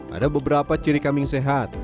ada beberapa ciri kambing sehat